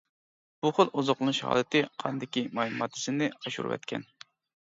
بۇ خىل ئوزۇقلىنىش ھالىتى قاندىكى ماي ماددىسىنى ئاشۇرۇۋەتكەن.